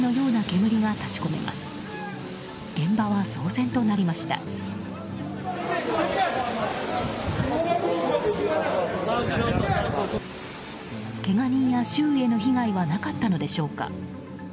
けが人や周囲への被害はなかったのでしょうか。